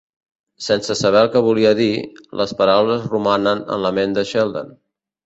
Sense saber el que volia dir, les paraules romanen en la ment de Sheldon.